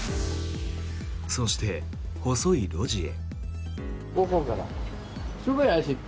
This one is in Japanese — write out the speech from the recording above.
そして、細い路地へ。